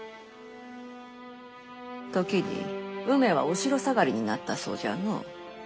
時に梅はお城下がりになったそうじゃのう。